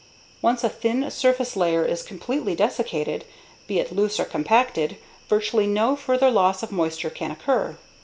_Once a thin surface layer is completely desiccated, be it loose or compacted, virtually no further loss of moisture can occur.